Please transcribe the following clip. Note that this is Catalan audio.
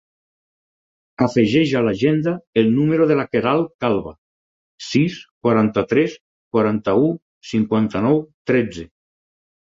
Afegeix a l'agenda el número de la Queralt Calva: sis, quaranta-tres, quaranta-u, cinquanta-nou, tretze.